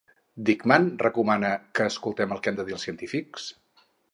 Dickman recomana que escoltem el que han de dir els científics?